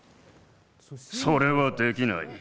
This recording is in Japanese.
それはできない。